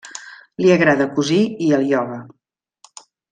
Li agrada cosir i el ioga.